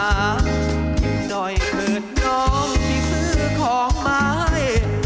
อยู่น้อยเผิดน้องที่ซื้อของไม้